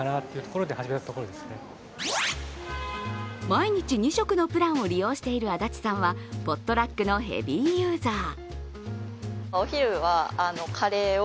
毎日２食のプランを利用している安達さんはポットラックのヘビーユーザー。